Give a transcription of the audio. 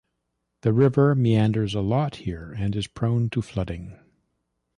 The river meanders a lot here and is prone to flooding.